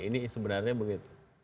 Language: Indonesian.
ini sebenarnya begitu